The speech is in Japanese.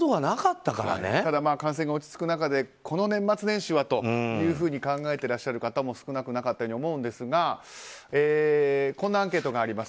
ただ感染が落ち着く中でこの年末年始はと考えていらっしゃる方も少なくなかったと思うんですがこんなアンケートがあります。